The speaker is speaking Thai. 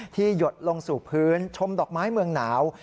หยดลงสู่พื้นชมดอกไม้เมืองหนาว